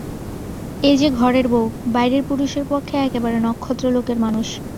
এ যে ঘরের বউ, বাইরের পুরুষের পক্ষে একেবারে নক্ষত্রলোকের মানুষ।